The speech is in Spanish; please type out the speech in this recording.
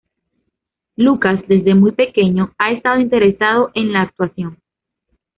Lucas desde muy pequeño ha estado interesado en la actuación.